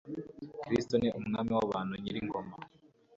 kristu ni umwami w'abantu, nyir'ingoma